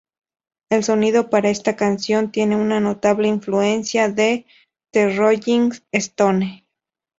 El sonido para esta canción tiene una notable influencia de The Rolling Stones.